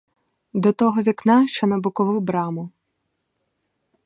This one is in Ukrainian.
До того вікна, що на бокову браму.